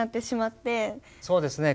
そうですね。